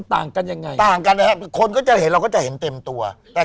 ต่างกันยังไงต่างกันนะครับคนก็จะเห็นเราก็จะเห็นเต็มตัวแต่